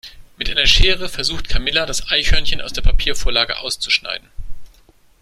Mit einer Schere versucht Camilla das Eichhörnchen aus der Papiervorlage auszuschneiden.